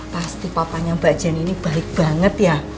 pasti papanya mbak jenn ini baik banget ya